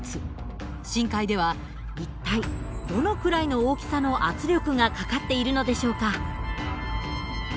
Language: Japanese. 深海では一体どのくらいの大きさの圧力がかかっているのでしょうか？